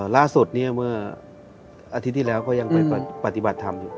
ล่าสุดเนี่ยเมื่ออาทิตย์ที่แล้วก็ยังไปปฏิบัติธรรมอยู่